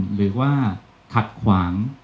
หรือว่าขัดขวาง